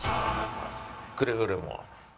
くれぐれも。